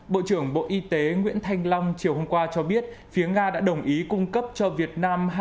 bộ trưởng bộ y tế nguyễn thanh long chiều hôm qua cho biết phía nga đã đồng ý cung cấp cho việt nam